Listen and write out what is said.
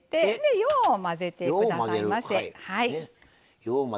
よう混ぜてくださいませ。